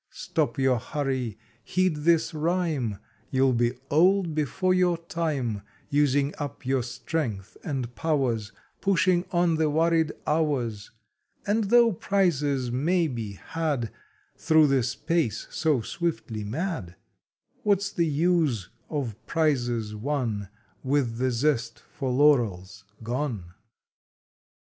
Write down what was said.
Stop your hurry! Heed this rhyme! You ll be old before your time, Using up your strength and powers Pushing on the worried hours, And tho prizes may be had Thro this pace so swiftly mad, What s the use of prizes won With the zest for laurels gone?